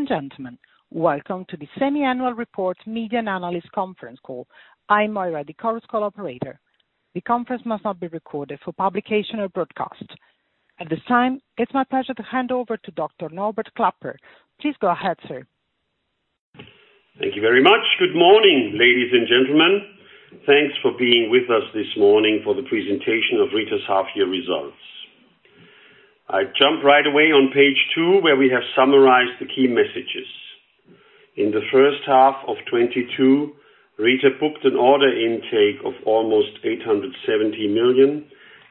Ladies and gentlemen, welcome to the semi-annual report media analyst conference call. I'm Moira, the conference call operator. The conference must not be recorded for publication or broadcast. At this time, it's my pleasure to hand over to Dr. Norbert Klapper. Please go ahead, sir. Thank you very much. Good morning, ladies and gentlemen. Thanks for being with us this morning for the presentation of Rieter's half year results. I jump right away on page two, where we have summarized the key messages. In the first half of 2022, Rieter booked an order intake of almost 870 million,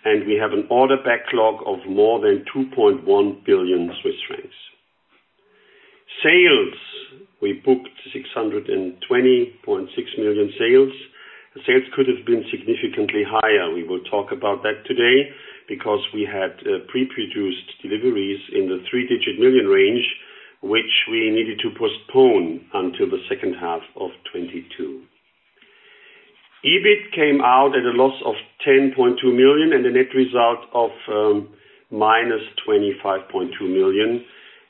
and we have an order backlog of more than 2.1 billion Swiss francs. Sales, we booked 620.6 million sales. The sales could have been significantly higher. We will talk about that today because we had pre-produced deliveries in the three-digit million range, which we needed to postpone until the second half of 2022. EBIT came out at a loss of 10.2 million and a net result of -25.2 million.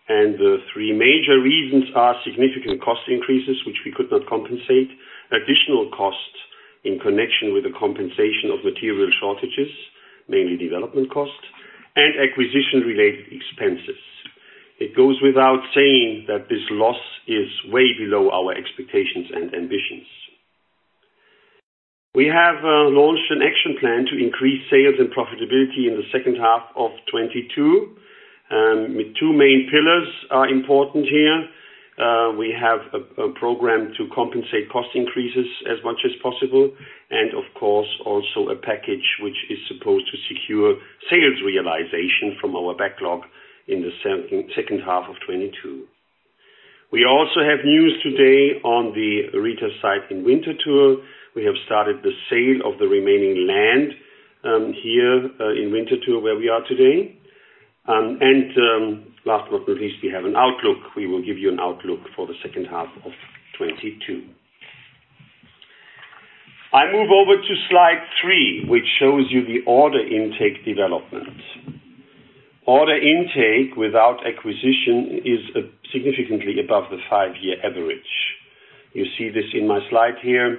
The three major reasons are significant cost increases, which we could not compensate, additional costs in connection with the compensation of material shortages, mainly development costs, and acquisition-related expenses. It goes without saying that this loss is way below our expectations and ambitions. We have launched an action plan to increase sales and profitability in the second half of 2022, with two main pillars are important here. We have a program to compensate cost increases as much as possible and of course, also a package which is supposed to secure sales realization from our backlog in the second half of 2022. We also have news today on the Rieter site in Winterthur. We have started the sale of the remaining land here in Winterthur, where we are today. Last but not least, we have an outlook. We will give you an outlook for the second half of 2022. I move over to slide three, which shows you the order intake development. Order intake without acquisition is significantly above the five-year average. You see this in my slide here.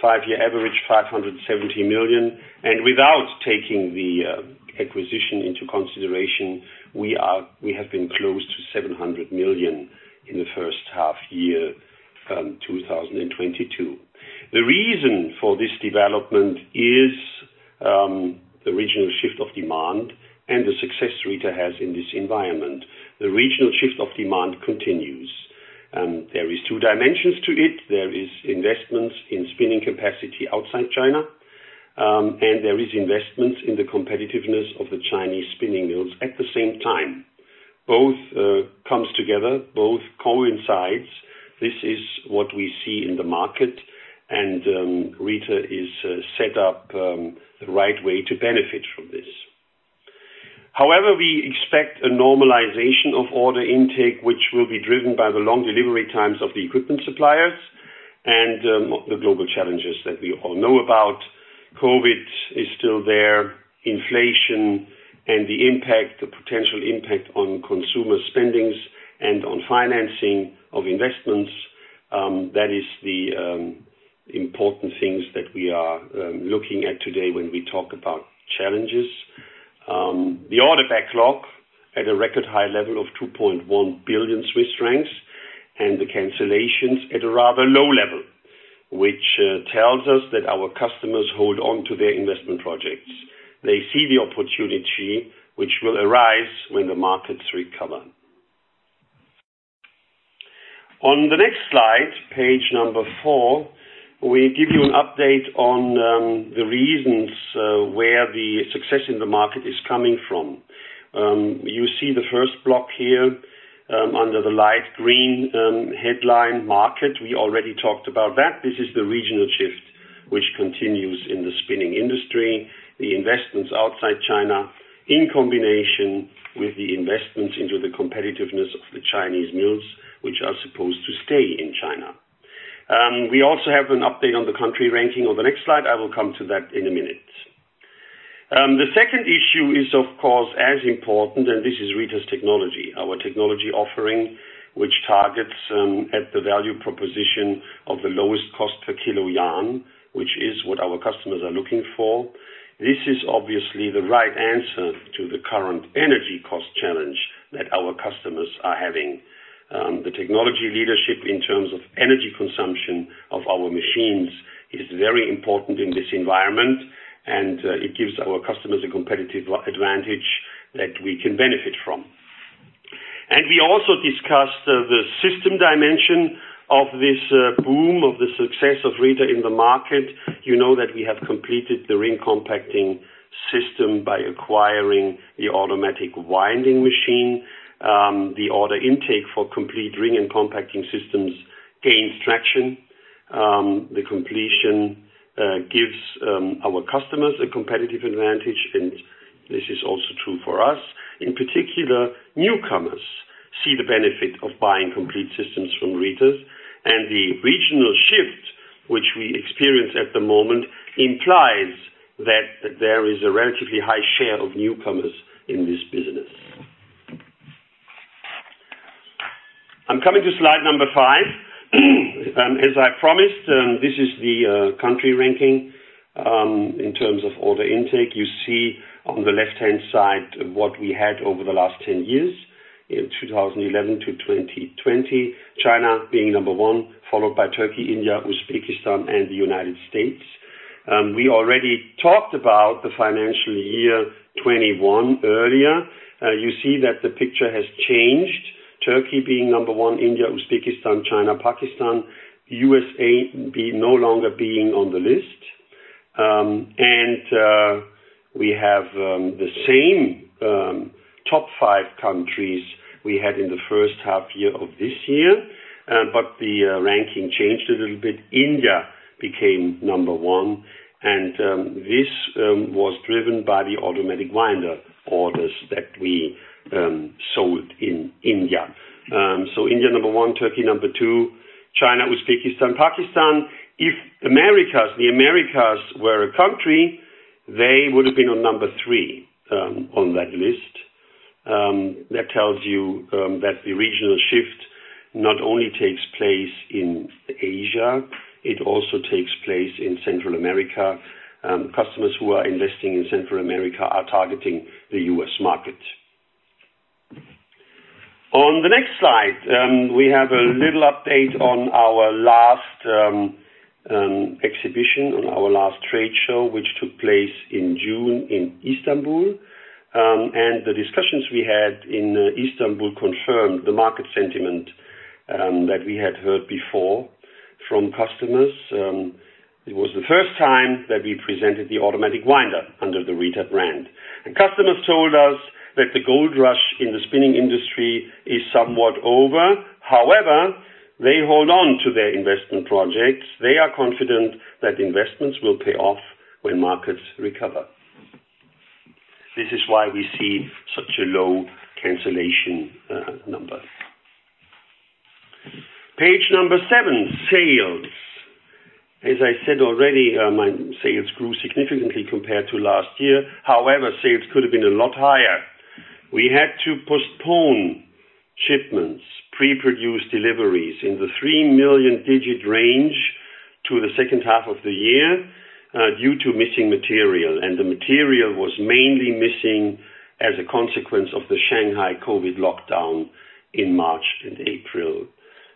Five-year average, 570 million. Without taking the acquisition into consideration, we have been close to 700 million in the first half year, 2022. The reason for this development is the regional shift of demand and the success Rieter has in this environment. The regional shift of demand continues. There is two dimensions to it. There is investments in spinning capacity outside China, and there is investment in the competitiveness of the Chinese spinning mills at the same time. Both comes together, both coincides. This is what we see in the market and Rieter is set up the right way to benefit from this. However, we expect a normalization of order intake, which will be driven by the long delivery times of the equipment suppliers and the global challenges that we all know about. COVID is still there, inflation and the impact, the potential impact on consumer spending and on financing of investments, that is the important things that we are looking at today when we talk about challenges. The order backlog at a record high level of 2.1 billion Swiss francs and the cancellations at a rather low level, which tells us that our customers hold on to their investment projects. They see the opportunity which will arise when the markets recover. On the next slide, page number four, we give you an update on the reasons where the success in the market is coming from. You see the first block here, under the light green headline market. We already talked about that. This is the regional shift which continues in the spinning industry. The investments outside China in combination with the investments into the competitiveness of the Chinese mills, which are supposed to stay in China. We also have an update on the country ranking on the next slide. I will come to that in a minute. The second issue is of course as important, and this is Rieter's technology. Our technology offering, which targets at the value proposition of the lowest cost per kilo yarn, which is what our customers are looking for. This is obviously the right answer to the current energy cost challenge that our customers are having. The technology leadership in terms of energy consumption of our machines is very important in this environment, and it gives our customers a competitive advantage that we can benefit from. We also discussed the system dimension of this boom of the success of Rieter in the market. You know that we have completed the ring compacting system by acquiring the automatic winding machine. The order intake for complete ring and compacting systems gains traction. The completion gives our customers a competitive advantage, and this is also true for us. In particular, newcomers see the benefit of buying complete systems from Rieter, and the regional shift, which we experience at the moment, implies that there is a relatively high share of newcomers in this business. I'm coming to slide number five. As I promised, this is the country ranking in terms of order intake. You see on the left-hand side what we had over the last 10 years, in 2011 to 2020. China being number one, followed by Turkey, India, Uzbekistan, and the United States. We already talked about the financial year 2021 earlier. You see that the picture has changed. Turkey being number one, India, Uzbekistan, China, Pakistan. U.S.A. No longer being on the list. We have the same top five countries we had in the first half year of this year, but the ranking changed a little bit. India became number one, and this was driven by the automatic winder orders that we sold in India. India number one, Turkey number two, China, Uzbekistan, Pakistan. If Americas, the Americas were a country, they would have been on number three, on that list. That tells you that the regional shift not only takes place in Asia, it also takes place in Central America. Customers who are investing in Central America are targeting the U.S. market. On the next slide, we have a little update on our last exhibition, on our last trade show, which took place in June in Istanbul. The discussions we had in Istanbul confirmed the market sentiment that we had heard before from customers. It was the first time that we presented the automatic winder under the Rieter brand. The customers told us that the gold rush in the spinning industry is somewhat over. However, they hold on to their investment projects. They are confident that investments will pay off when markets recover. This is why we see such a low cancellation number. Page number seven, sales. As I said already, my sales grew significantly compared to last year. However, sales could have been a lot higher. We had to postpone shipments, pre-produced deliveries in the 3 million range to the second half of the year, due to missing material. The material was mainly missing as a consequence of the Shanghai COVID lockdown in March and April.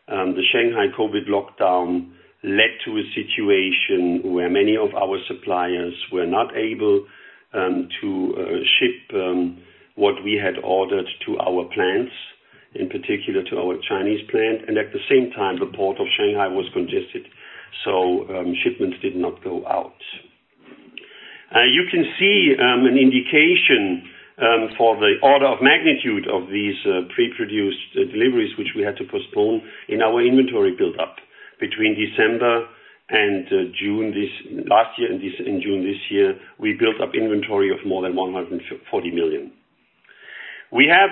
The Shanghai COVID lockdown led to a situation where many of our suppliers were not able to ship what we had ordered to our plants, in particular to our Chinese plant. At the same time, the port of Shanghai was congested, so shipments did not go out. You can see an indication for the order of magnitude of these pre-produced deliveries, which we had to postpone in our inventory build-up between December and June last year and in June this year. We built up inventory of more than 140 million. We have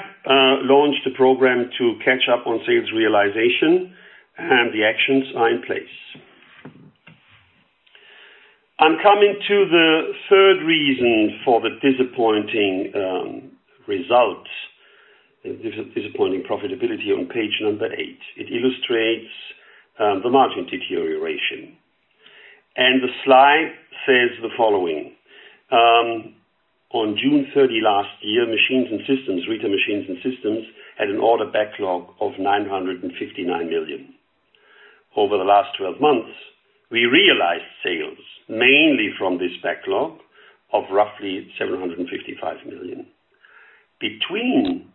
launched a program to catch up on sales realization, and the actions are in place. I'm coming to the third reason for the disappointing result. Disappointing profitability on page eight. It illustrates the margin deterioration. The slide says the following: On June 30 last year, Machines & Systems, Rieter Machines & Systems, had an order backlog of 959 million. Over the last 12 months, we realized sales mainly from this backlog of roughly 755 million. Between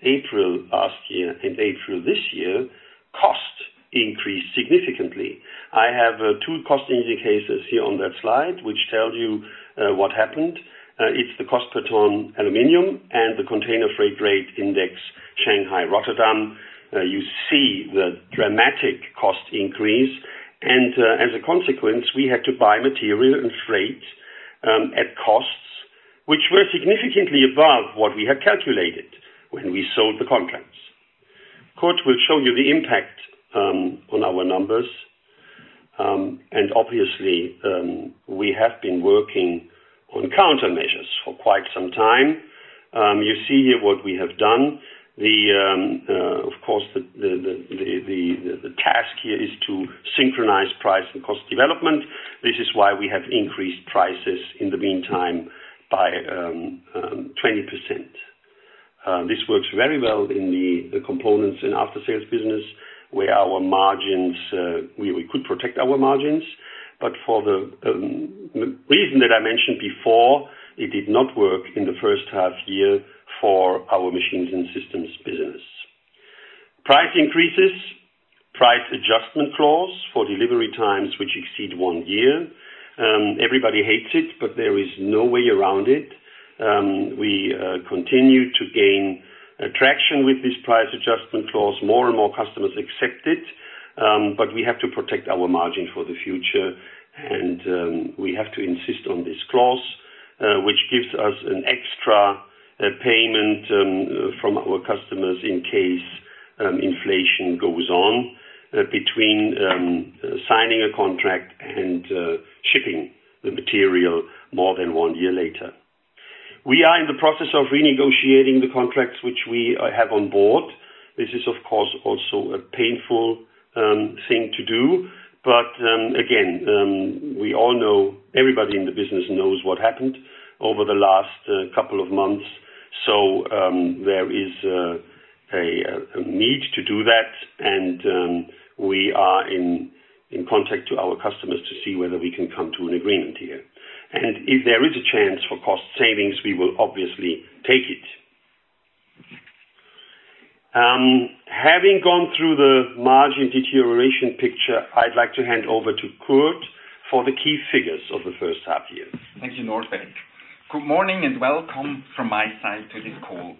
April last year and April this year, costs increased significantly. I have two cost indicators here on that slide, which tell you what happened. It's the cost per ton aluminum and the container freight rate index, Shanghai-Rotterdam. You see the dramatic cost increase. As a consequence, we had to buy material and freight at costs which were significantly above what we had calculated when we sold the contracts. Kurt will show you the impact on our numbers. Obviously, we have been working on countermeasures for quite some time. You see here what we have done. Of course, the task here is to synchronize price and cost development. This is why we have increased prices in the meantime by 20%. This works very well in the Components and After Sales business, where our margins, we could protect our margins. For the reason that I mentioned before, it did not work in the first half year for our Machines & Systems business. Price increases, price adjustment clause for delivery times which exceed one year. Everybody hates it, but there is no way around it. We continue to gain attraction with this price adjustment clause. More and more customers accept it, but we have to protect our margin for the future. We have to insist on this clause, which gives us an extra payment from our customers in case inflation goes on between signing a contract and shipping the material more than one year later. We are in the process of renegotiating the contracts which we have on board. This is, of course, also a painful thing to do, but again, we all know, everybody in the business knows what happened over the last couple of months. There is a need to do that. We are in contact to our customers to see whether we can come to an agreement here. If there is a chance for cost savings, we will obviously take it. Having gone through the margin deterioration picture, I'd like to hand over to Kurt for the key figures of the first half year. Thank you, Norbert. Good morning, and welcome from my side to this call.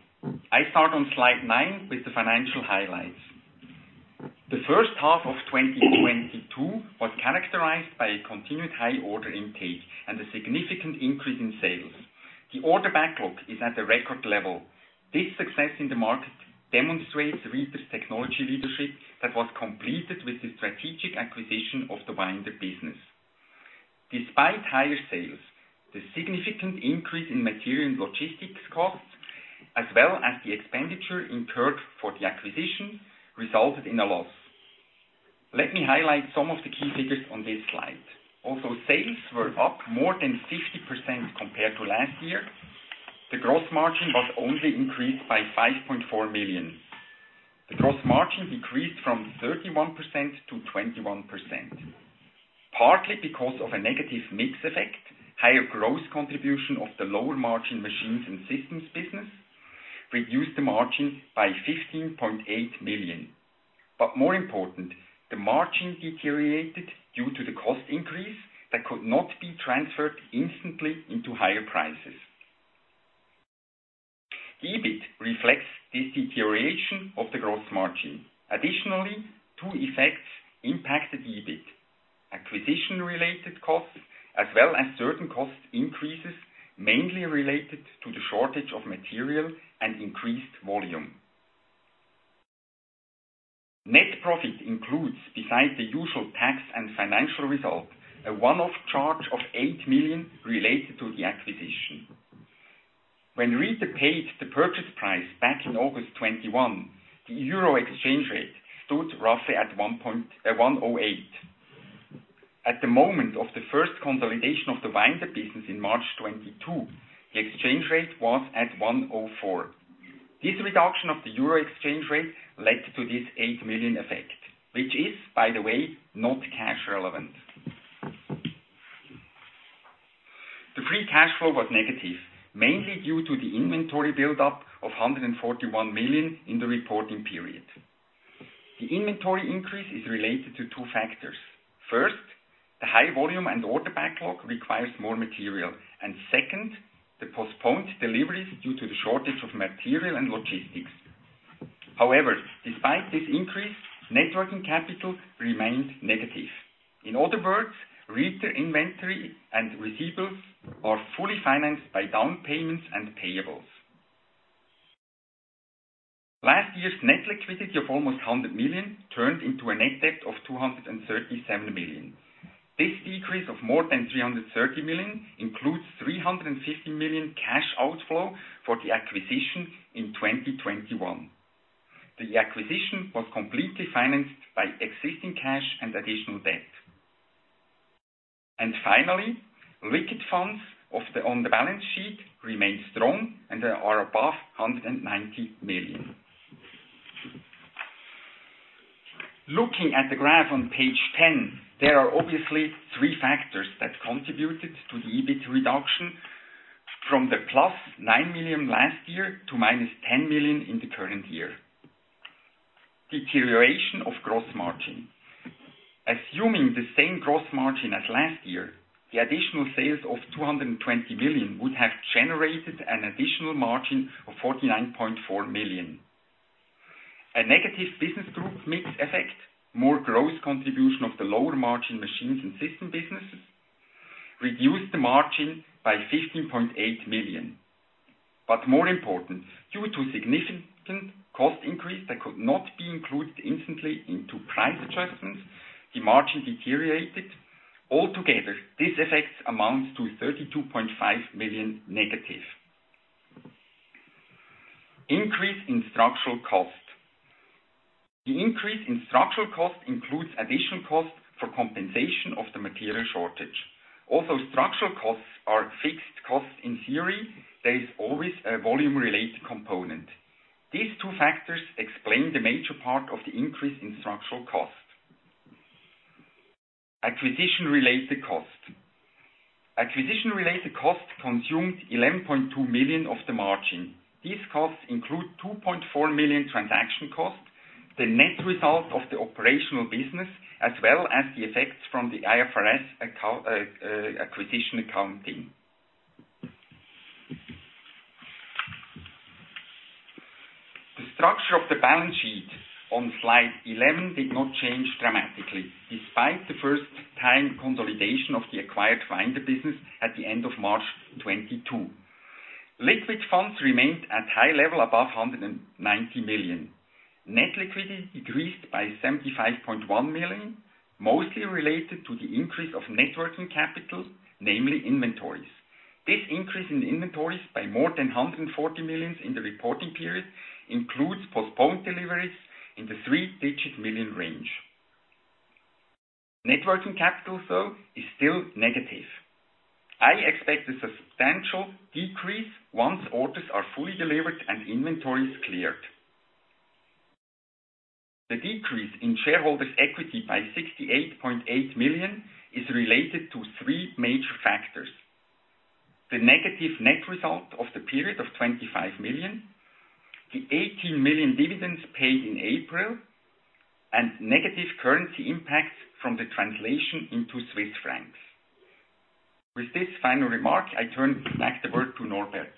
I start on slide nine with the financial highlights. The first half of 2022 was characterized by a continued high order intake and a significant increase in sales. The order backlog is at a record level. This success in the market demonstrates Rieter's technology leadership that was completed with the strategic acquisition of the winder business. Despite higher sales, the significant increase in material and logistics costs, as well as the expenditure incurred for the acquisition, resulted in a loss. Let me highlight some of the key figures on this slide. Although sales were up more than 60% compared to last year, the gross margin was only increased by 5.4 million. The gross margin decreased from 31% to 21%. Partly because of a negative mix effect, higher gross contribution of the lower margin Machines & Systems business reduced the margin by 15.8 million. More important, the margin deteriorated due to the cost increase that could not be transferred instantly into higher prices. EBIT reflects this deterioration of the gross margin. Additionally, two effects impacted EBIT. Acquisition-related costs, as well as certain cost increases, mainly related to the shortage of material and increased volume. Net profit includes, besides the usual tax and financial result, a one-off charge of 8 million related to the acquisition. When Rieter paid the purchase price back in August 2021, the euro exchange rate stood roughly at 1.08. At the moment of the first consolidation of the winder business in March 2022, the exchange rate was at 1.04. This reduction of the euro exchange rate led to this 8 million effect, which is, by the way, not cash-relevant. The free cash flow was negative, mainly due to the inventory build-up of 141 million in the reporting period. The inventory increase is related to two factors. First, the high volume and order backlog requires more material. Second, the postponed deliveries due to the shortage of material and logistics. However, despite this increase, net working capital remained negative. In other words, Rieter inventory and receivables are fully financed by down payments and payables. Last year's net liquidity of almost 100 million turned into a net debt of 237 million. This decrease of more than 330 million includes 350 million cash outflow for the acquisition in 2021. The acquisition was completely financed by existing cash and additional debt. Finally, liquid funds on the balance sheet remain strong and are above 190 million. Looking at the graph on page 10, there are obviously three factors that contributed to the EBIT reduction from +9 million last year to -10 million in the current year. Deterioration of gross margin. Assuming the same gross margin as last year, the additional sales of 220 million would have generated an additional margin of 49.4 million. A negative business group mix effect, more gross contribution of the lower margin Machines & Systems businesses, reduced the margin by 15.8 million. More important, due to significant cost increase that could not be included instantly into price adjustments, the margin deteriorated. Altogether, these effects amount to CHF 32.5 million negative. Increase in structural cost. The increase in structural cost includes additional cost for compensation of the material shortage. Although structural costs are fixed costs in theory, there is always a volume-related component. These two factors explain the major part of the increase in structural cost. Acquisition-related cost. Acquisition-related cost consumed 11.2 million of the margin. These costs include 2.4 million transaction costs, the net result of the operational business, as well as the effects from the IFRS acquisition accounting. The structure of the balance sheet on slide 11 did not change dramatically despite the first time consolidation of the acquired winder business at the end of March 2022. Liquid funds remained at high level, above 190 million. Net liquidity decreased by 75.1 million, mostly related to the increase of net working capital, namely inventories. This increase in inventories by more than 140 million in the reporting period includes postponed deliveries in the three-digit million range. Net working capital, though, is still negative. I expect a substantial decrease once orders are fully delivered and inventories cleared. The decrease in shareholders' equity by 68.8 million is related to three major factors. The negative net result of the period of 25 million, the 18 million dividends paid in April, and negative currency impacts from the translation into Swiss francs. With this final remark, I turn back the word to Norbert.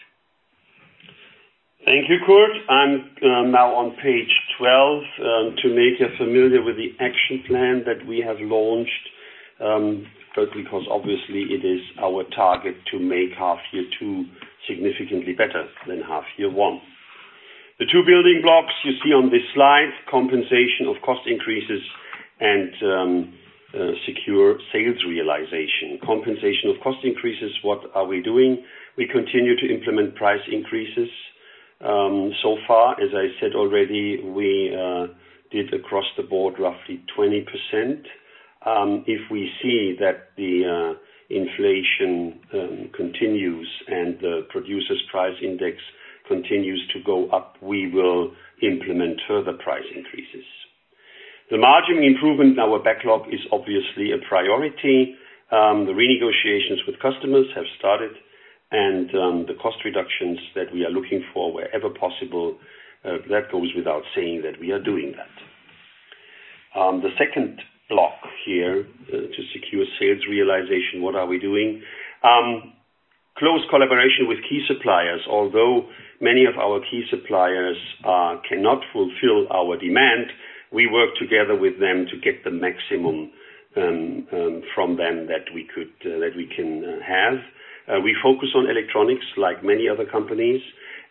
Thank you, Kurt. I'm now on page 12 to make you familiar with the action plan that we have launched, because obviously it is our target to make half-year two significantly better than half-year one. The two building blocks you see on this slide, compensation of cost increases and secure sales realization. Compensation of cost increases, what are we doing? We continue to implement price increases. So far, as I said already, we did across the board roughly 20%. If we see that the inflation continues and the producers' price index continues to go up, we will implement further price increases. The margin improvement in our backlog is obviously a priority. The renegotiations with customers have started and the cost reductions that we are looking for wherever possible. That goes without saying that we are doing that. The second block here to secure sales realization. What are we doing? Close collaboration with key suppliers. Although many of our key suppliers cannot fulfill our demand, we work together with them to get the maximum from them that we can have. We focus on electronics like many other companies,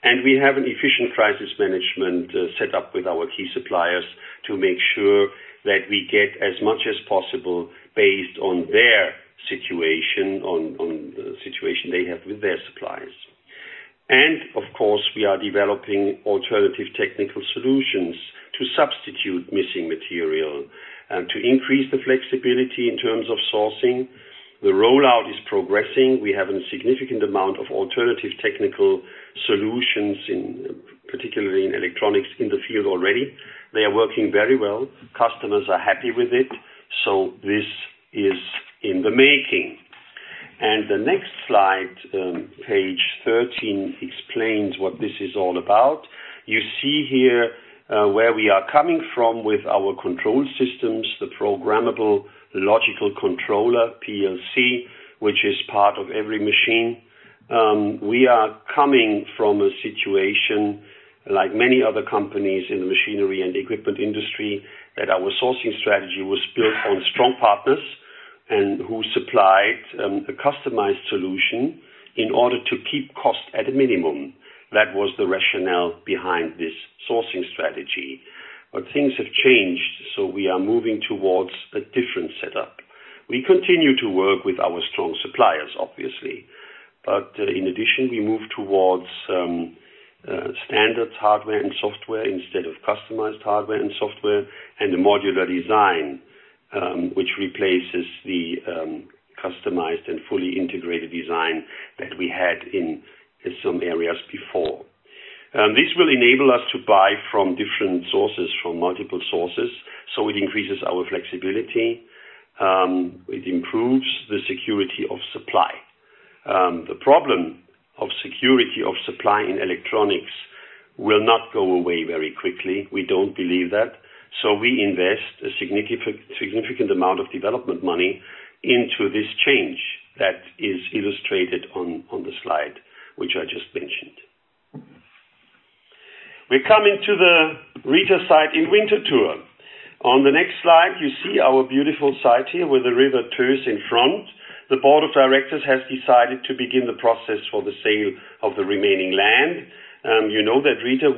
and we have an efficient crisis management set up with our key suppliers to make sure that we get as much as possible based on their situation, on the situation they have with their suppliers. Of course, we are developing alternative technical solutions to substitute missing material and to increase the flexibility in terms of sourcing. The rollout is progressing. We have a significant amount of alternative technical solutions in, particularly in electronics in the field already. They are working very well. Customers are happy with it. This is in the making. The next slide, page 13, explains what this is all about. You see here, where we are coming from with our control systems, the Programmable Logic Controller, PLC, which is part of every machine. We are coming from a situation like many other companies in the machinery and equipment industry, that our sourcing strategy was built on strong partners and who supplied, a customized solution in order to keep costs at a minimum. That was the rationale behind this sourcing strategy. Things have changed, so we are moving towards a different setup. We continue to work with our strong suppliers, obviously. In addition, we move towards standard hardware and software instead of customized hardware and software, and a modular design, which replaces the customized and fully integrated design that we had in some areas before. This will enable us to buy from different sources, from multiple sources, so it increases our flexibility, it improves the security of supply. The problem of security of supply in electronics will not go away very quickly. We don't believe that. We invest a significant amount of development money into this change that is illustrated on the slide, which I just mentioned. We're coming to the Rieter site in Winterthur. On the next slide, you see our beautiful site here with the River Töss in front. The Board of Directors has decided to begin the process for the sale of the remaining land. You know that Rieter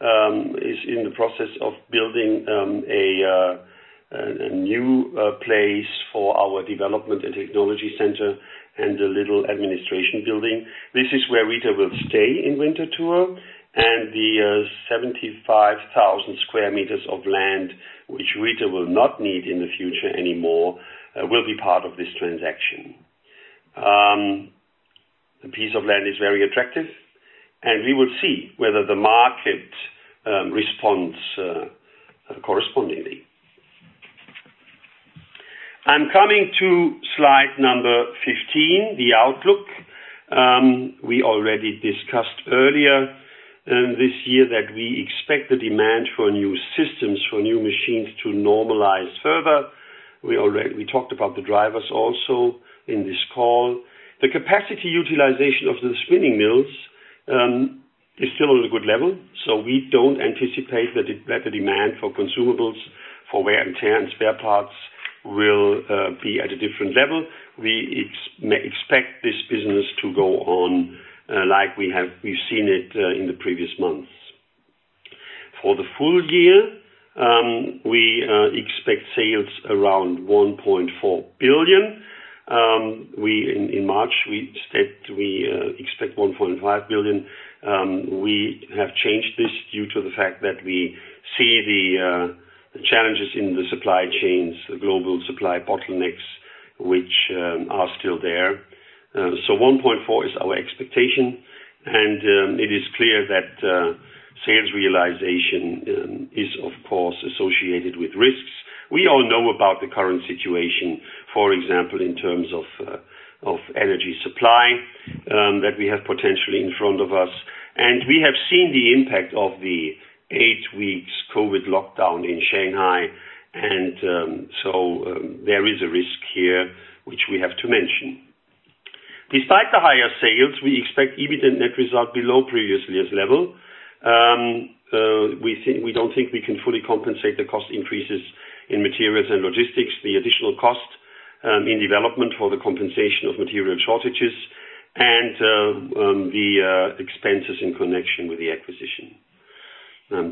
is in the process of building a new place for our development and technology center and a little administration building. This is where Rieter will stay in Winterthur, and the 75,000 sq m of land, which Rieter will not need in the future anymore, will be part of this transaction. The piece of land is very attractive, and we will see whether the market responds correspondingly. I'm coming to slide number 15, the outlook. We already discussed earlier in this year that we expect the demand for new systems, for new machines to normalize further. We talked about the drivers also in this call. The capacity utilization of the spinning mills is still at a good level, so we don't anticipate that the demand for consumables, for wear and tear, and spare parts will be at a different level. We expect this business to go on like we have seen it in the previous months. For the full year, we expect sales around 1.4 billion. In March, we said we expect 1.5 billion. We have changed this due to the fact that we see the challenges in the supply chains, the global supply bottlenecks, which are still there. 1.4 billion is our expectation, and it is clear that sales realization is, of course, associated with risks. We all know about the current situation, for example, in terms of of energy supply, that we have potentially in front of us. We have seen the impact of the eight weeks COVID lockdown in Shanghai, there is a risk here which we have to mention. Despite the higher sales, we expect EBIT and net result below previous years' level. We don't think we can fully compensate the cost increases in materials and logistics, the additional cost in development for the compensation of material shortages and the expenses in connection with the acquisition.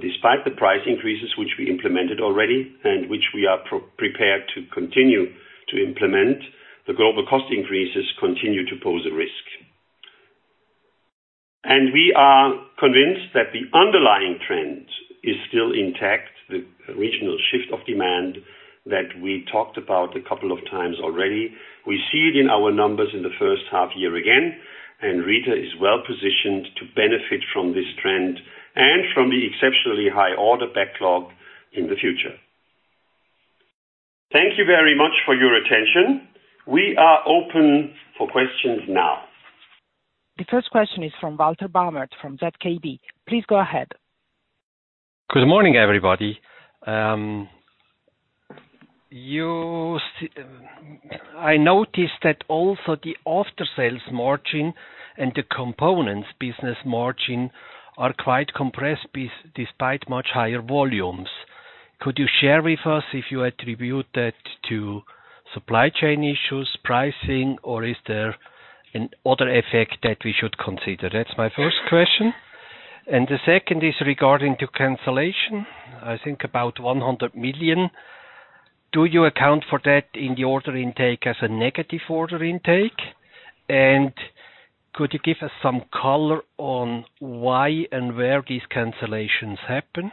Despite the price increases which we implemented already and which we are prepared to continue to implement, the global cost increases continue to pose a risk. We are convinced that the underlying trend is still intact, the regional shift of demand that we talked about a couple of times already. We see it in our numbers in the first half year again, and Rieter is well-positioned to benefit from this trend and from the exceptionally high order backlog in the future. Thank you very much for your attention. We are open for questions now. The first question is from Walter Baumert, from ZKB. Please go ahead. Good morning, everybody. I noticed that also the After Sales margin and the Components business margin are quite compressed despite much higher volumes. Could you share with us if you attribute that to supply chain issues, pricing, or is there another effect that we should consider? That's my first question. The second is regarding the cancellation. I think about 100 million. Do you account for that in the order intake as a negative order intake? Could you give us some color on why and where these cancellations happen?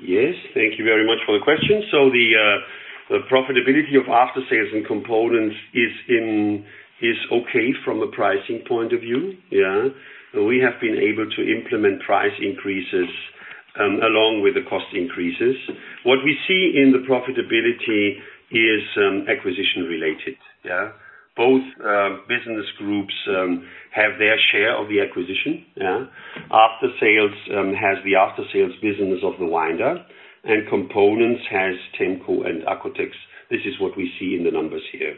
Yes. Thank you very much for the question. The profitability of After Sales and Components is okay from a pricing point of view, yeah. We have been able to implement price increases along with the cost increases. What we see in the profitability is acquisition-related, yeah. Both business groups have their share of the acquisition, yeah. After sales has the After Sales business of the winder, and Components has Temco and Accotex. This is what we see in the numbers here.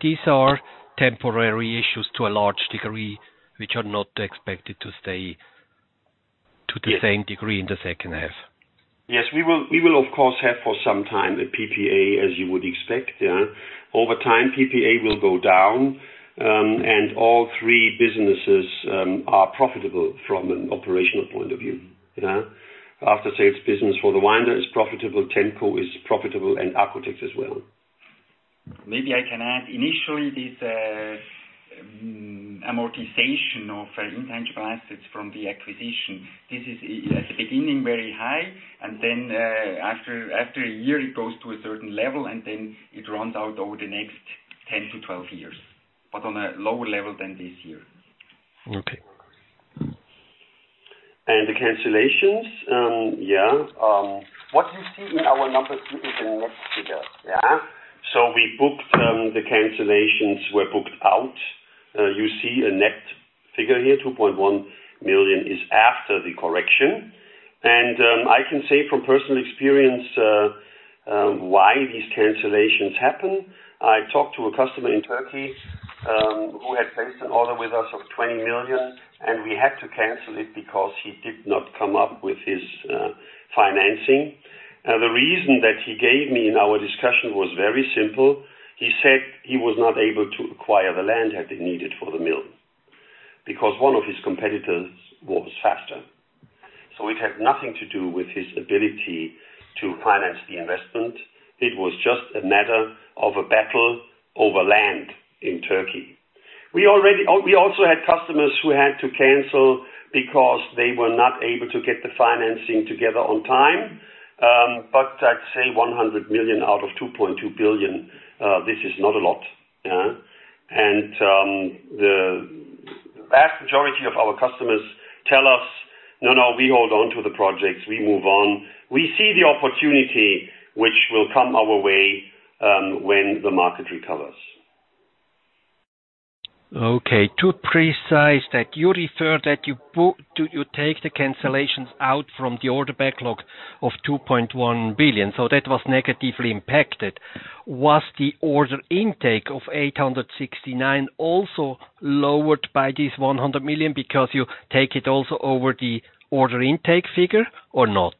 These are temporary issues to a large degree, which are not expected to stay to- Yes. To the same degree in the second half. Yes. We will, of course, have for some time a PPA, as you would expect, yeah. Over time, PPA will go down, and all three businesses are profitable from an operational point of view, yeah. After Sales business for the winder is profitable, Temco is profitable, and Accotex as well. Maybe I can add. Initially, this amortization of intangible assets from the acquisition, this is at the beginning, very high. Then, after a year, it goes to a certain level, and then it runs out over the next 10-12 years, but on a lower level than this year. Okay. The cancellations. What you see in our numbers is the net figure, yeah. We booked the cancellations were booked out. You see a net figure here, 2.1 million is after the correction. I can say from personal experience why these cancellations happen. I talked to a customer in Turkey who had placed an order with us of 20 million, and we had to cancel it because he did not come up with his financing. The reason that he gave me in our discussion was very simple. He said he was not able to acquire the land that he needed for the mill because one of his competitors was faster. It had nothing to do with his ability to finance the investment. It was just a matter of a battle over land in Turkey. We also had customers who had to cancel because they were not able to get the financing together on time. But I'd say 100 million out of 2.2 billion, this is not a lot, yeah. The vast majority of our customers tell us, "No, no, we hold on to the projects. We move on. We see the opportunity which will come our way, when the market recovers. Okay. Do you take the cancellations out from the order backlog of 2.1 billion? So that was negatively impacted. Was the order intake of 869 million also lowered by this 100 million because you take it also over the order intake figure or not?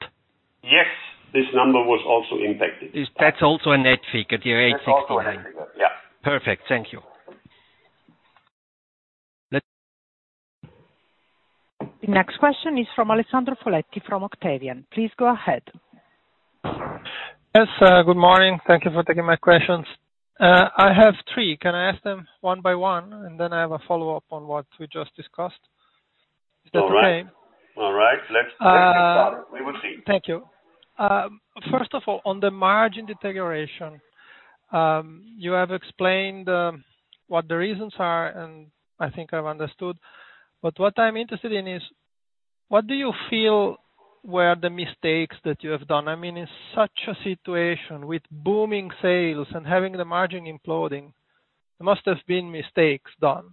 Yes. This number was also impacted. That's also a net figure, the 869 million. That's also a net figure. Yeah. Perfect. Thank you. The next question is from Alessandro Foletti from Octavian. Please go ahead. Yes. Good morning. Thank you for taking my questions. I have three. Can I ask them one by one, and then I have a follow-up on what we just discussed? All right. Let's get started. We will see. Thank you. First of all, on the margin deterioration, you have explained what the reasons are, and I think I've understood. What I'm interested in is, what do you feel were the mistakes that you have done? I mean, in such a situation with booming sales and having the margin imploding, there must have been mistakes done.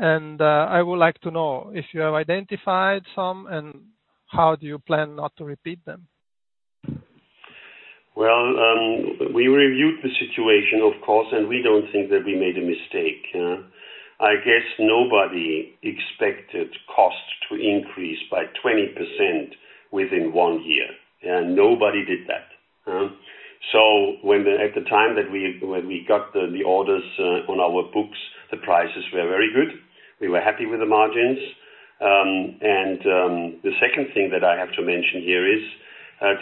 I would like to know if you have identified some and how do you plan not to repeat them? Well, we reviewed the situation, of course, and we don't think that we made a mistake, yeah. I guess nobody expected costs to increase by 20% within one year, and nobody did that. When we got the orders on our books, the prices were very good. We were happy with the margins. And the second thing that I have to mention here is,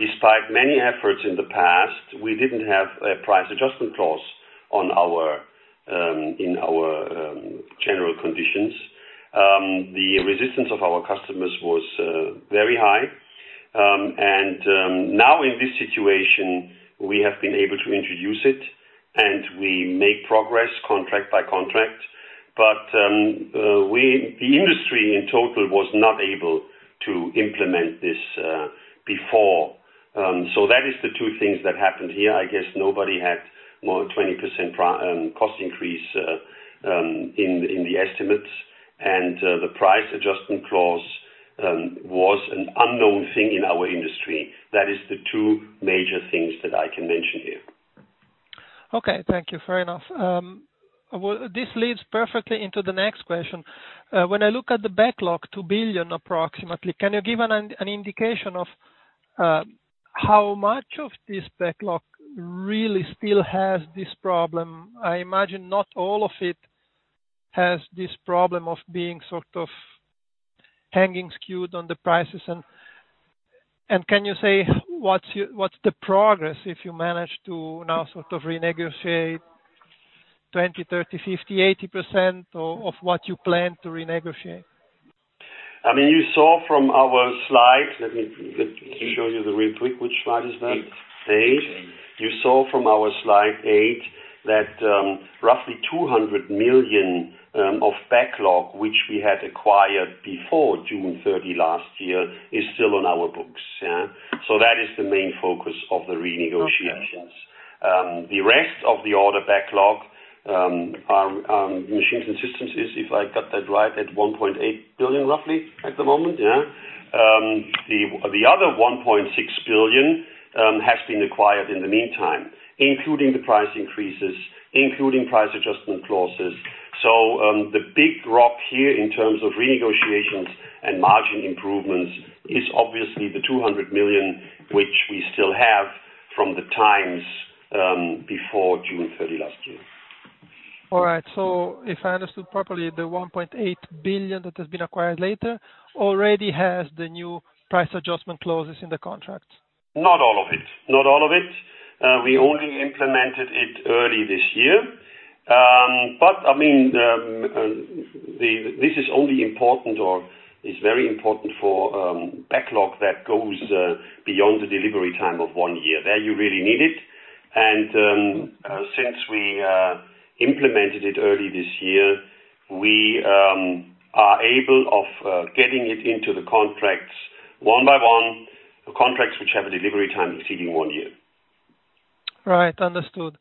despite many efforts in the past, we didn't have a price adjustment clause in our general conditions. The resistance of our customers was very high. Now in this situation, we have been able to introduce it, and we make progress contract by contract. The industry in total was not able to implement this before. That is the two things that happened here. I guess nobody had more than 20% cost increase in the estimates. The price adjustment clause was an unknown thing in our industry. That is the two major things that I can mention here. Okay. Thank you. Fair enough. This leads perfectly into the next question. When I look at the backlog, 2 billion, approximately, can you give an indication of how much of this backlog really still has this problem? I imagine not all of it has this problem of being sort of hanging skewed on the prices. Can you say what's the progress if you manage to now sort of renegotiate 20%, 30%, 50%, 80% of what you plan to renegotiate? I mean, you saw from our slides. Let me show you really quick. Which slide is that? Eight. Eight. You saw from our slide eight that, roughly 200 million of backlog, which we had acquired before June 30 last year, is still on our books. Yeah. That is the main focus of the renegotiations. The rest of the order backlog, Machines & Systems is, if I got that right, at 1.8 billion, roughly at the moment. Yeah. The other 1.6 billion has been acquired in the meantime, including the price increases, including price adjustment clauses. The big rock here in terms of renegotiations and margin improvements is obviously the 200 million, which we still have from the times before June 30 last year. All right. If I understood properly, the 1.8 billion that has been acquired later already has the new price adjustment clauses in the contract. Not all of it. We only implemented it early this year. I mean, this is only important or is very important for backlog that goes beyond the delivery time of one year. There, you really need it. Since we implemented it early this year, we are able to get it into the contracts one by one, contracts which have a delivery time exceeding one year. Right. Understood.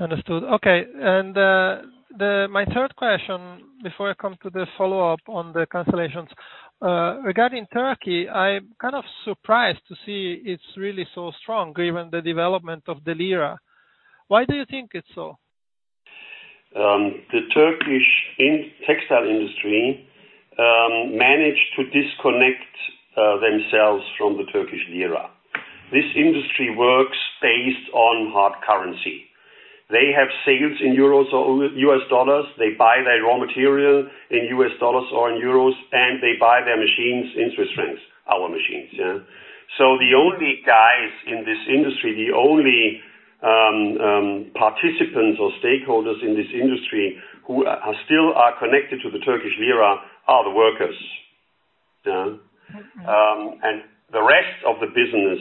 Okay. My third question before I come to the follow-up on the cancellations. Regarding Turkey, I'm kind of surprised to see it's really so strong, given the development of the lira. Why do you think it's so? The Turkish textile industry managed to disconnect themselves from the Turkish lira. This industry works based on hard currency. They have sales in euros or U.S. dollars. They buy their raw material in U.S. dollars or in euros, and they buy their machines in Swiss francs, our machines. Yeah. The only guys in this industry, the only participants or stakeholders in this industry who are still connected to the Turkish lira are the workers. Yeah. The rest of the business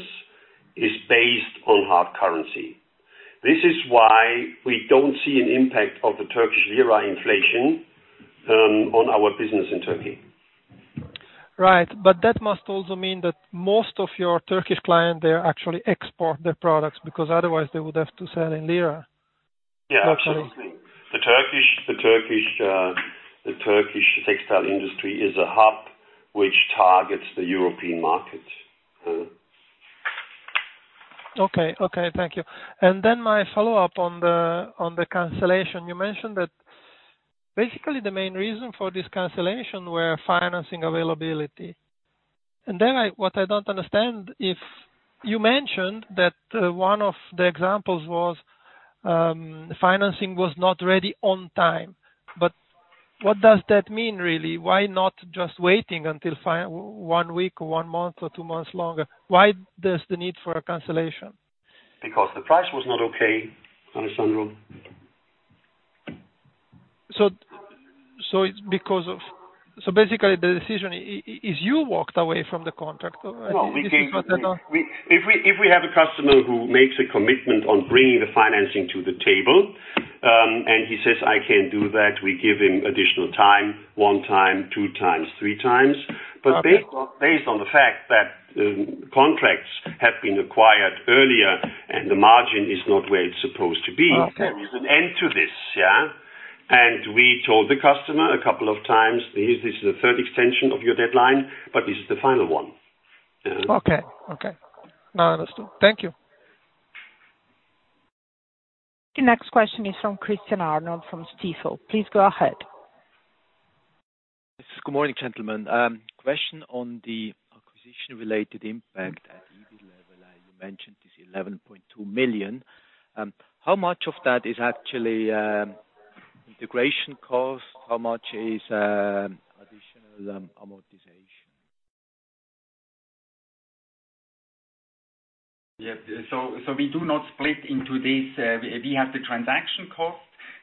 is based on hard currency. This is why we don't see an impact of the Turkish lira inflation on our business in Turkey. Right. That must also mean that most of your Turkish client, they actually export their products because otherwise they would have to sell in lira. Yeah, absolutely. The Turkish textile industry is a hub which targets the European market. Okay. Thank you. My follow-up on the cancellation. You mentioned that basically the main reason for this cancellation were financing availability. What I don't understand, if you mentioned that, one of the examples was, financing was not ready on time, but what does that mean, really? Why not just waiting until one week or one month or two months longer? Why there's the need for a cancellation? Because the price was not okay, Alessandro. Basically, the decision is you walked away from the contract? Well, we can. This is what I don't. If we have a customer who makes a commitment on bringing the financing to the table, and he says, "I can do that," we give him additional time, one time, two times, three times. Okay. Based on the fact that contracts have been acquired earlier and the margin is not where it's supposed to be. Okay. There is an end to this. Yeah. We told the customer a couple of times, "This is the third extension of your deadline, but this is the final one." Yeah. Okay. Now I understood. Thank you. The next question is from Christian Arnold from Stifel. Please go ahead. Good morning, gentlemen. Question on the acquisition-related impact at EBIT level, as you mentioned, is 11.2 million. How much of that is actually integration cost? How much is additional amortization? We do not split into this. We have the transaction cost,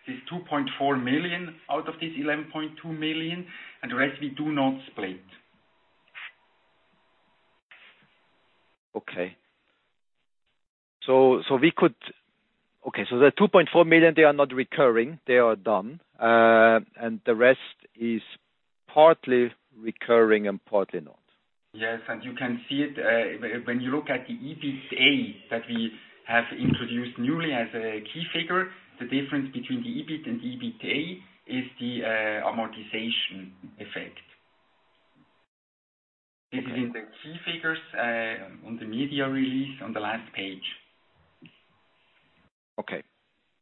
this 2.4 million out of this 11.2 million, and the rest we do not split. Okay, the 2.4 million, they are not recurring, they are done, and the rest is partly recurring and partly not? Yes. You can see it, when you look at the EBITA that we have introduced newly as a key figure. The difference between the EBIT and the EBITA is the amortization effect. Okay. This is in the key figures, on the media release on the last page. Okay.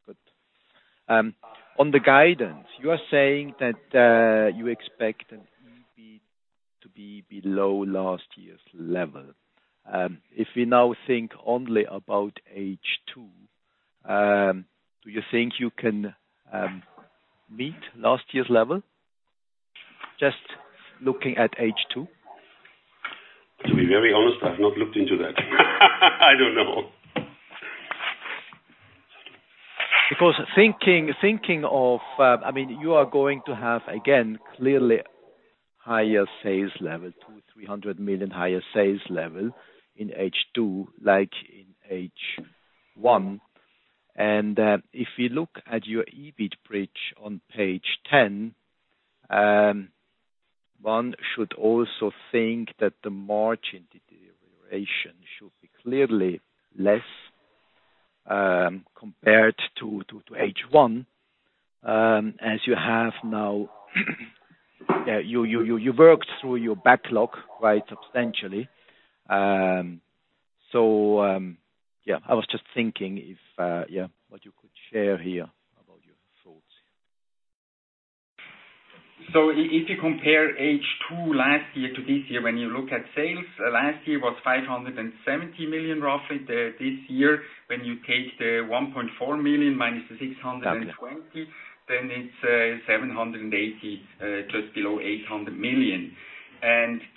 Good. On the guidance, you are saying that you expect an EBIT to be below last year's level. If we now think only about H2, do you think you can meet last year's level? Just looking at H2? To be very honest, I've not looked into that. I don't know. I mean, you are going to have again, clearly higher sales level, 200 million-300 million higher sales level in H2 like in H1. If you look at your EBIT bridge on page 10, one should also think that the margin deterioration should be clearly less, compared to H1, as you have now worked through your backlog quite substantially. Yeah, I was just thinking what you could share here about your thoughts. If you compare H2 last year to this year, when you look at sales, last year was 570 million, roughly. This year, when you take the 1.4 million minus the 620 million- Yeah. It's 780 million, just below 800 million.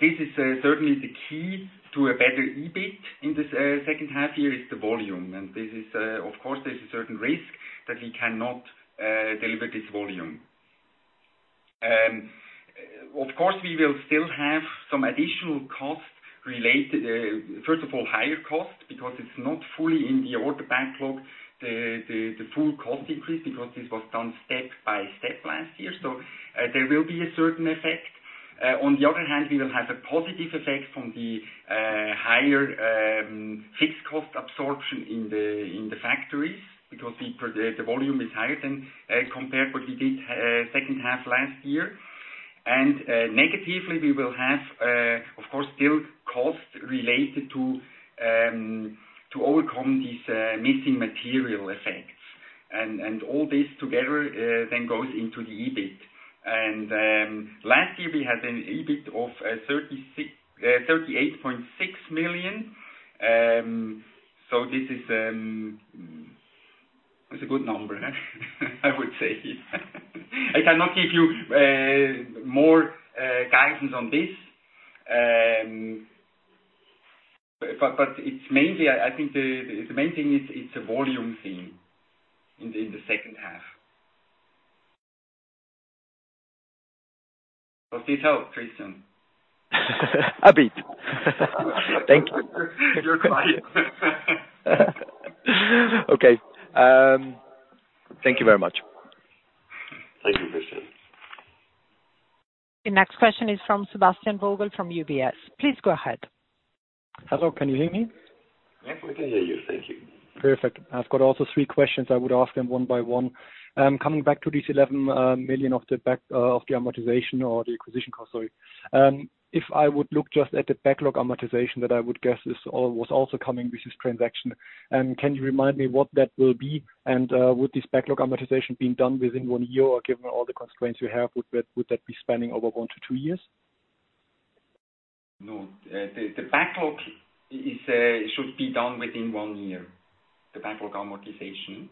This is certainly the key to a better EBIT in this second half year is the volume. This is, of course, there's a certain risk that we cannot deliver this volume. Of course, we will still have some additional costs related, first of all, higher costs, because it's not fully in the order backlog, the full cost increase, because this was done step by step last year. There will be a certain effect. On the other hand, we will have a positive effect from the higher fixed cost absorption in the factories because the volume is higher than compared what we did second half last year. Negatively, we will have, of course, still costs related to overcome these missing material effects. All this together then goes into the EBIT. Last year we had an EBIT of 38.6 million. This is, it's a good number, I would say. I cannot give you more guidance on this. It's mainly, I think the main thing is it's a volume thing in the second half. Does this help, Christian? A bit. Thank you. You're quiet. Okay. Thank you very much. Thank you, Christian. The next question is from Sebastian Vogel from UBS. Please go ahead. Hello, can you hear me? Yes, we can hear you. Thank you. Perfect. I've got also three questions. I would ask them one by one. Coming back to this 11 million of the backlog amortization or the acquisition cost, sorry. If I would look just at the backlog amortization that I would guess is also coming with this transaction, can you remind me what that will be, and would this backlog amortization being done within one year, or given all the constraints you have, would that be spanning over one to two years? No. The backlog should be done within one year, the backlog amortization.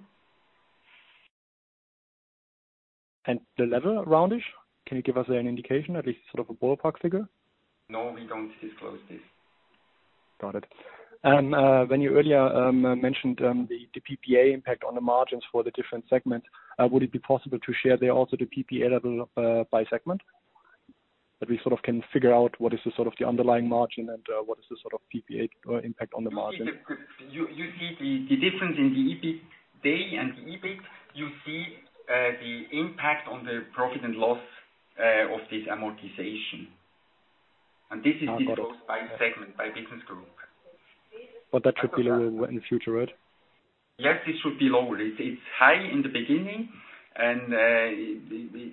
The level around it, can you give us an indication, at least sort of a ballpark figure? No, we don't disclose this. Got it. When you earlier mentioned the PPA impact on the margins for the different segments, would it be possible to share there also the PPA level by segment, that we sort of can figure out what is the sort of underlying margin and what is the sort of PPA impact on the margin? You see the difference in the EBITDA and the EBIT. You see the impact on the profit and loss of this amortization. This is disclosed. Got it. By segment, by business group. That should be lower in the future, right? Yes, it should be lower. It's high in the beginning and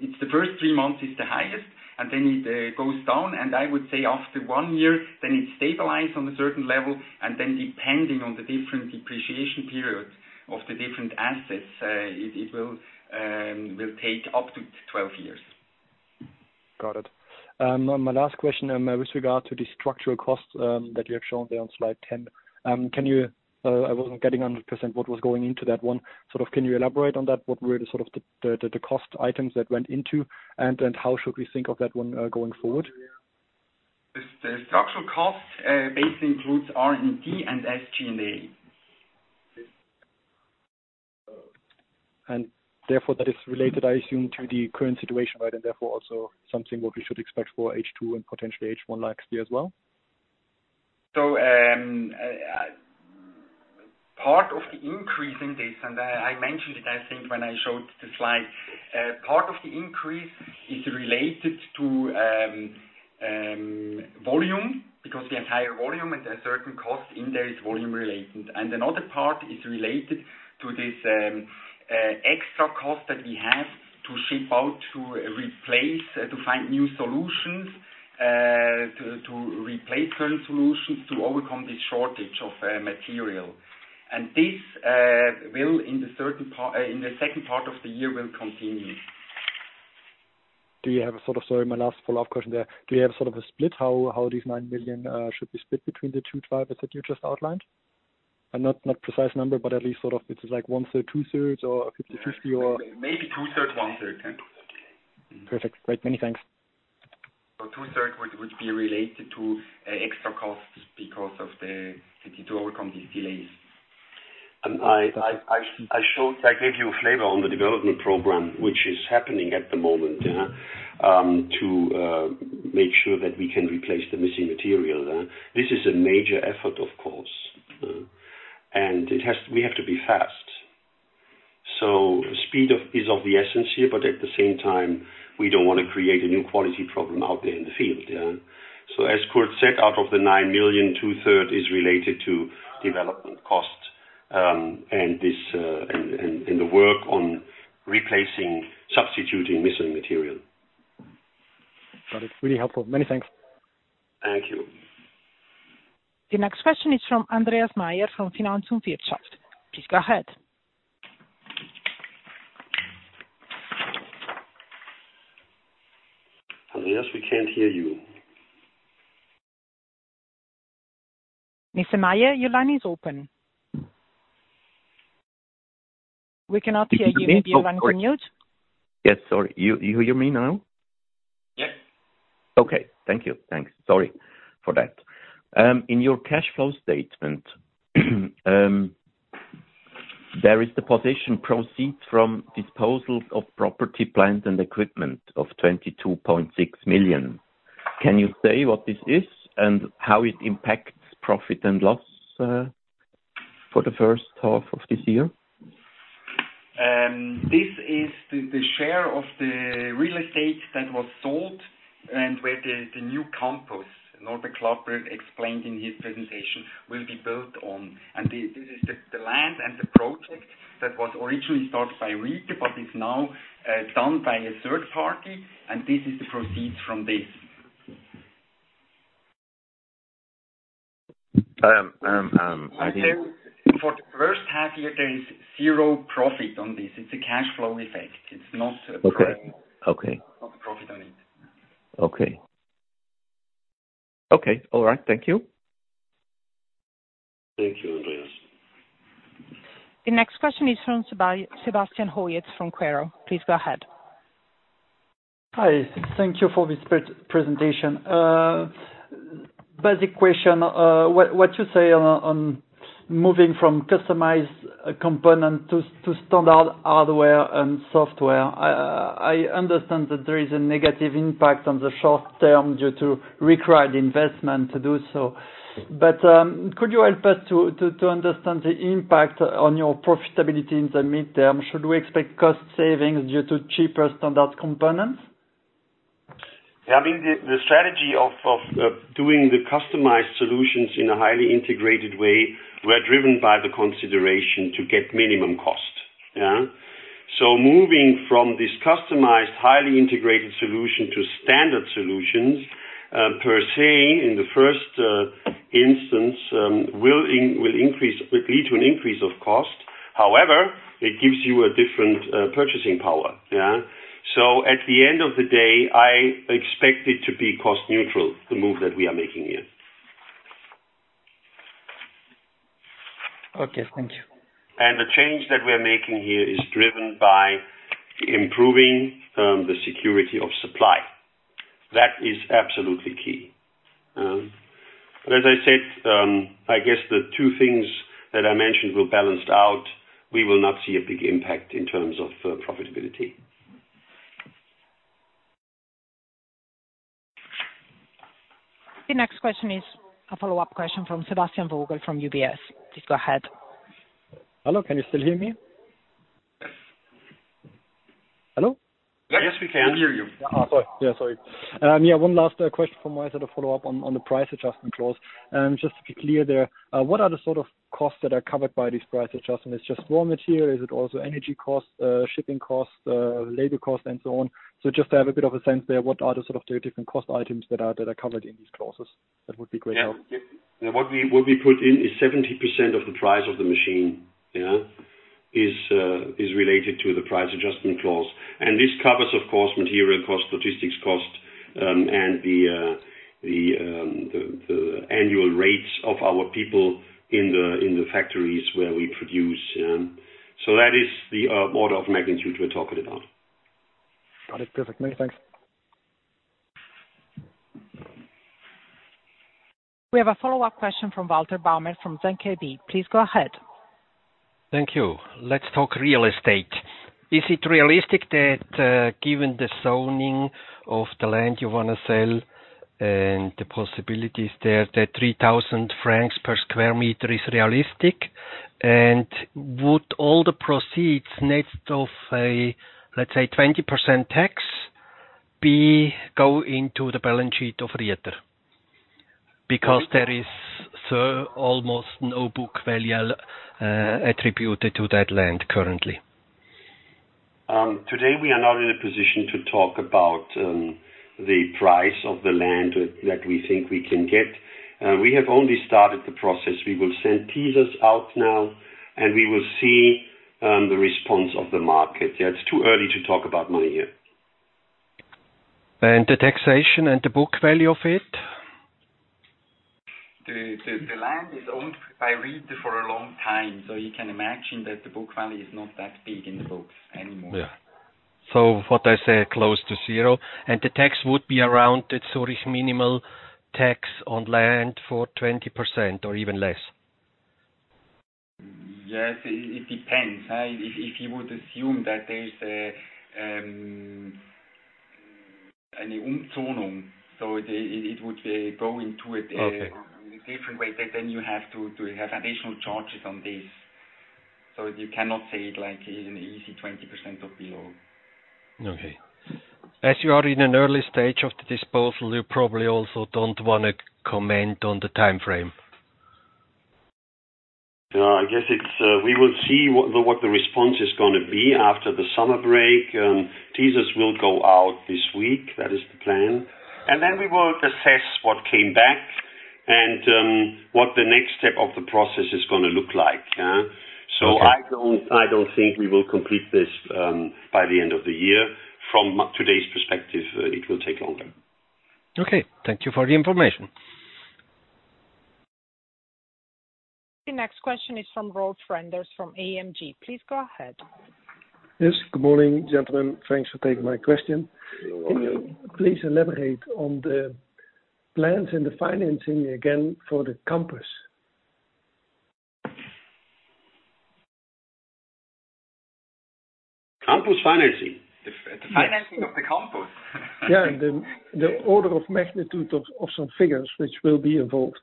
it's the first three months it's the highest, and then it goes down, and I would say after one year then it stabilize on a certain level. Then depending on the different depreciation periods of the different assets, it will take up to 12 years. Got it. Now my last question, with regard to the structural costs, that you have shown there on slide 10. I wasn't getting 100% what was going into that one. Sort of can you elaborate on that? What were the sort of cost items that went into and how should we think of that one, going forward? The structural costs basically includes R&D and SG&A. Therefore, that is related, I assume, to the current situation, right, and therefore also something what we should expect for H2 and potentially H1 next year as well? Part of the increase in this, and I mentioned it, I think, when I showed the slide, part of the increase is related to volume because we have higher volume and a certain cost in there is volume-related. Another part is related to this extra cost that we have to ship out, to replace, to find new solutions, to replace current solutions, to overcome this shortage of material. This will continue in the second part of the year. Sorry, my last follow-up question there. Do you have sort of a split how these 9 million should be split between the two drivers that you just outlined? Not precise number, but at least sort of it is like one-third, two-thirds or 50/50 or? Maybe two-thirds, one-third. Okay. Perfect. Great. Many thanks. Two-thirds would be related to extra costs to overcome these delays. I gave you a flavor on the development program which is happening at the moment to make sure that we can replace the missing material. This is a major effort of course. We have to be fast. Speed is of the essence here, but at the same time we don't wanna create a new quality problem out there in the field. As Kurt said, out of the 9 million, two-thirds is related to development costs, and this and the work on replacing, substituting missing material. Got it. Really helpful. Many thanks. Thank you. The next question is from Andreas Meyer from Finanz und Wirtschaft. Please go ahead. Andreas, we can't hear you. Mr. Meyer, your line is open. We cannot hear you. Maybe you went on mute. Yes. Sorry. You hear me now? Yes. Okay. Thank you. Thanks. Sorry for that. In your cash flow statement, there is the position proceeds from disposals of property, plant, and equipment of 22.6 million. Can you say what this is and how it impacts profit and loss for the first half of this year? This is the share of the real estate that was sold and where the new campus, Norbert Klapper explained in his presentation, will be built on. This is the land and the project that was originally started by Rieter, but it's now done by a third party, and this is the proceeds from this. Um, um, I think- I say for the first half year there is zero profit on this. It's a cash flow effect. It's not. Okay. Okay. A profit on it. Okay. All right. Thank you. Thank you, Andreas. The next question is from Sébastien Hoyez from Quaero Capital. Please go ahead. Hi. Thank you for this pre-presentation. Basic question, what you say on moving from customized component to standard hardware and software. I understand that there is a negative impact on the short term due to required investment to do so. Could you help us to understand the impact on your profitability in the midterm? Should we expect cost savings due to cheaper standard components? I mean, the strategy of doing the customized solutions in a highly integrated way were driven by the consideration to get minimum cost. Yeah. Moving from this customized, highly integrated solution to standard solutions, per se, in the first instance, will lead to an increase of cost. However, it gives you a different purchasing power. Yeah. At the end of the day, I expect it to be cost-neutral, the move that we are making here. Okay, thank you. The change that we're making here is driven by improving the security of supply. That is absolutely key. As I said, I guess the two things that I mentioned were balanced out. We will not see a big impact in terms of profitability. The next question is a follow-up question from Sebastian Vogel from UBS. Please go ahead. Hello, can you still hear me? Yes. Hello? Yes, we can hear you. Sorry. One last question from my side, a follow-up on the price adjustment clause. Just to be clear there, what are the sort of costs that are covered by this price adjustment? Is it just raw material? Is it also energy costs, shipping costs, labor cost and so on? Just to have a bit of a sense there, what are the sort of different cost items that are covered in these clauses? That would be great. Yeah. What we put in is 70% of the price of the machine, yeah, is related to the price adjustment clause. This covers, of course, material cost, logistics cost, and the annual rates of our people in the factories where we produce. That is the order of magnitude we're talking about. Got it. Perfect. Many thanks. We have a follow-up question from Walter Baumert from ZKB. Please go ahead. Thank you. Let's talk real estate. Is it realistic that, given the zoning of the land you wanna sell and the possibilities there, that 3,000 francs per square meter is realistic? Would all the proceeds net of a, let's say, 20% tax go into the balance sheet of Rieter? Because there is, sir, almost no book value attributed to that land currently. Today we are not in a position to talk about the price of the land that we think we can get. We have only started the process. We will send teasers out now, and we will see the response of the market. It's too early to talk about money here. The taxation and the book value of it? The land is owned by Rieter for a long time, so you can imagine that the book value is not that big in the books anymore. Yeah. What I say, close to zero, and the tax would be around the Zürich minimum tax on land for 20% or even less? Yes, it depends. If you would assume that there is any Umzonung, so it would go into it. Okay. In a different way, but then you have to have additional charges on this. You cannot say it like an easy 20% or below. Okay. As you are in an early stage of the disposal, you probably also don't wanna comment on the timeframe? No, I guess it's we will see what the response is gonna be after the summer break. Teasers will go out this week. That is the plan. Then we will assess what came back and what the next step of the process is gonna look like. Yeah. Okay. I don't think we will complete this by the end of the year. From today's perspective, it will take longer. Okay, thank you for the information. The next question is from Rolf Renders from AMG. Please go ahead. Yes. Good morning, gentlemen. Thanks for taking my question. You're welcome. Can you please elaborate on the plans and the financing again for the campus? Campus financing. The financing of the campus. Yeah. The order of magnitude of some figures which will be involved.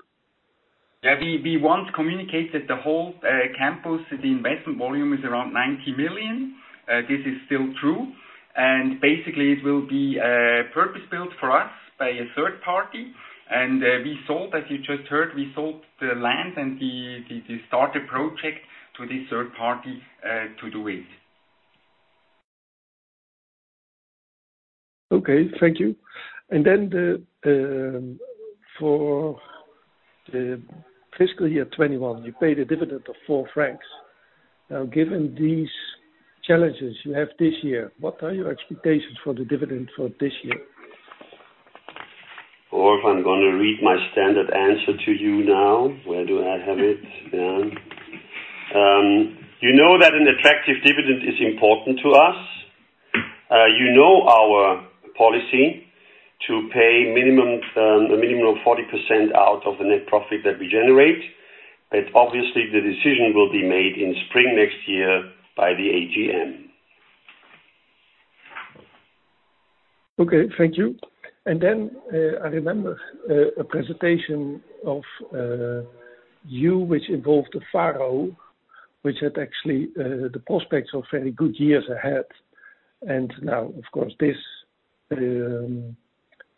Yeah. We once communicated the whole campus. The investment volume is around 90 million. This is still true. Basically it will be purpose-built for us by a third party. We sold, as you just heard, the land and the starter project to this third party to do it. Okay, thank you. For the fiscal year 2021, you paid a dividend of 4 francs. Now, given these challenges you have this year, what are your expectations for the dividend for this year? Rolf, I'm gonna read my standard answer to you now. Where do I have it? Yeah. You know that an attractive dividend is important to us. You know our policy to pay a minimum of 40% out of the net profit that we generate, but obviously the decision will be made in spring next year by the AGM. Okay, thank you. I remember a presentation of you, which involved Faro, which had actually the prospects of very good years ahead. Now of course, this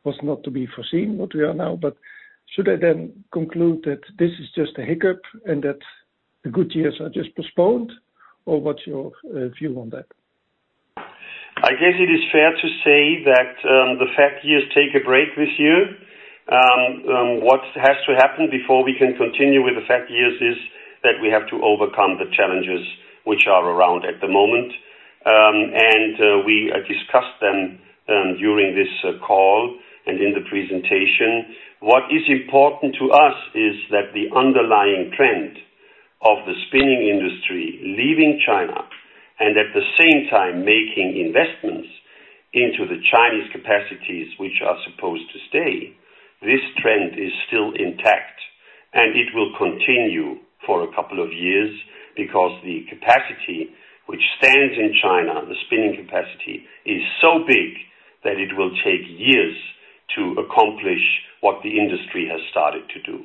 was not to be foreseen, what we are now, but should I then conclude that this is just a hiccup and that the good years are just postponed? What's your view on that? I guess it is fair to say that the fat years take a break this year. What has to happen before we can continue with the fat years is that we have to overcome the challenges which are around at the moment. We discussed them during this call and in the presentation. What is important to us is that the underlying trend of the spinning industry leaving China and at the same time making investments into the Chinese capacities which are supposed to stay. This trend is still intact and it will continue for a couple of years because the capacity which stands in China, the spinning capacity, is so big that it will take years to accomplish what the industry has started to do.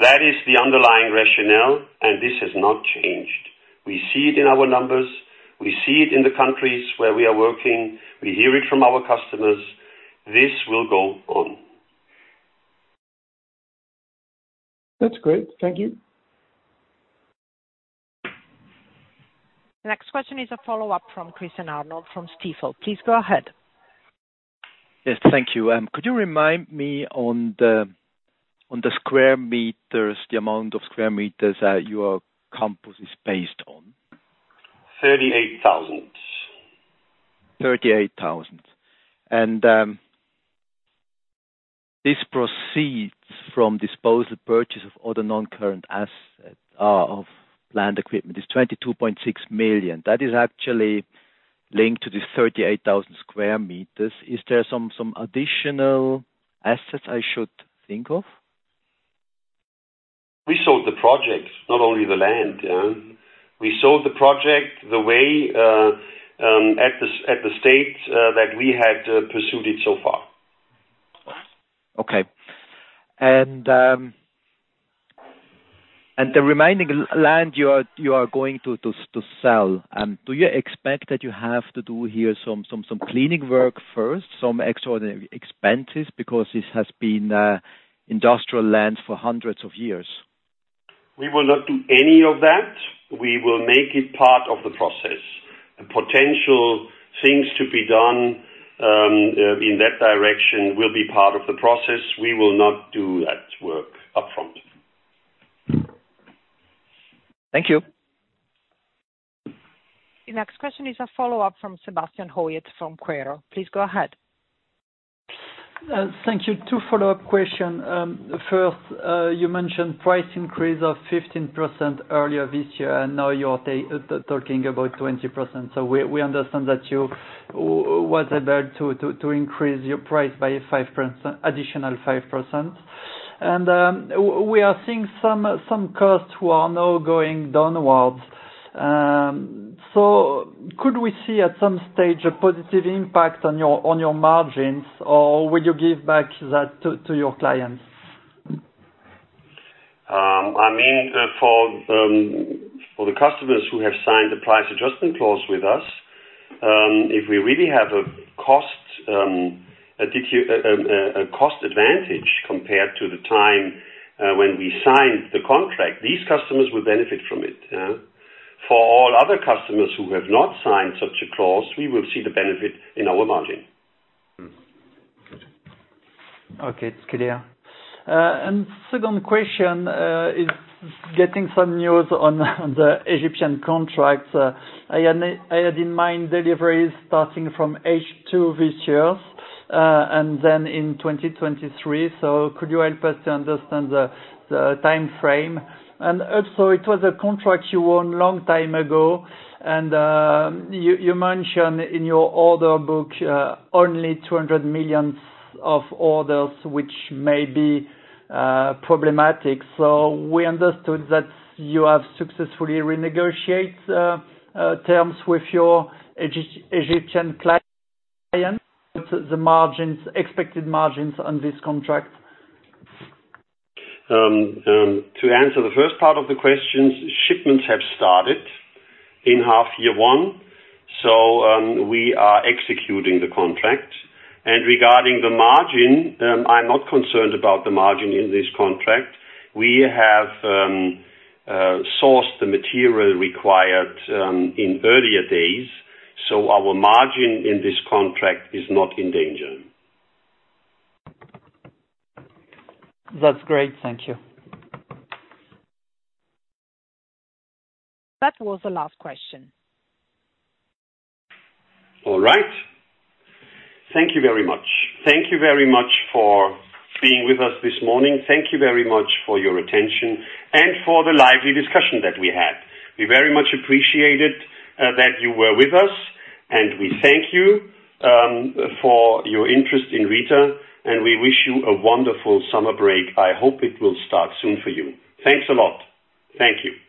That is the underlying rationale, and this has not changed. We see it in our numbers. We see it in the countries where we are working. We hear it from our customers. This will go on. That's great. Thank you. Next question is a follow-up from Christian Arnold from Stifel. Please go ahead. Yes, thank you. Could you remind me on the square meters, the amount of square meters that your campus is based on? 38,000 sq m. 38,000 sq m. This proceeds from disposal and purchase of other non-current assets of plant and equipment is 22.6 million. That is actually linked to the 38,000 sq m. Is there some additional assets I should think of? We sold the project, not only the land, yeah. We sold the project in the state that we had pursued it so far. Okay. The remaining land you are going to sell, do you expect that you have to do here some cleaning work first, some extraordinary expenses? Because this has been industrial land for hundreds of years. We will not do any of that. We will make it part of the process. Potential things to be done, in that direction will be part of the process. We will not do that work upfront. Thank you. The next question is a follow-up from Sébastien Hoyez from Quaero. Please go ahead. Thank you. Two follow-up questions. First, you mentioned price increase of 15% earlier this year, and now you're talking about 20%. We understand that you were able to increase your price by 5% additional 5%. We are seeing some costs who are now going downwards. So could we see at some stage a positive impact on your margins, or will you give back that to your clients? I mean, for the customers who have signed the price adjustment clause with us, if we really have a cost advantage compared to the time when we signed the contract, these customers will benefit from it, yeah. For all other customers who have not signed such a clause, we will see the benefit in our margin. Okay, it's clear. Second question is getting some news on the Egyptian contracts. I had in mind deliveries starting from H2 this year, and then in 2023. Could you help us to understand the time frame? Also, it was a contract you won long time ago and you mention in your order book only 200 million of orders which may be problematic. We understood that you have successfully renegotiated terms with your Egyptian client. The expected margins on this contract. To answer the first part of the question, shipments have started in half-year one, so we are executing the contract. Regarding the margin, I'm not concerned about the margin in this contract. We have sourced the material required in earlier days, so our margin in this contract is not in danger. That's great. Thank you. That was the last question. All right. Thank you very much. Thank you very much for being with us this morning. Thank you very much for your attention and for the lively discussion that we had. We very much appreciated that you were with us, and we thank you for your interest in Rieter, and we wish you a wonderful summer break. I hope it will start soon for you. Thanks a lot. Thank you.